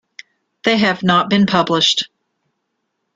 They have not been published.